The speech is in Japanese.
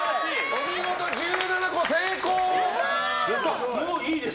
お見事、１７個成功！